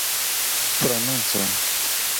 prononco